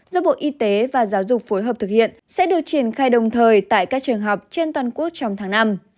do bộ y tế và giáo dục phối hợp thực hiện sẽ được triển khai đồng thời tại các trường học trên toàn quốc trong tháng năm